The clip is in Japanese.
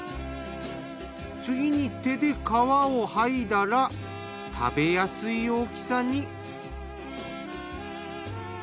次に手で皮をはいだら食べやすい大きさに。